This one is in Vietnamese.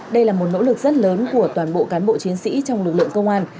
đây là một nỗ lực rất lớn của toàn bộ cán bộ chiến sĩ trong lực lượng công an